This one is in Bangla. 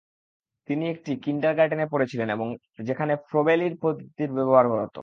তিনি একটি কিন্ডারগার্টেনে পড়েছিলেন যেখানে ফ্রোবেলীয় পদ্ধতি ব্যবহার করা হতো।